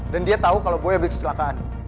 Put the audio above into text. dan dia tau kalo boy habis kecelakaan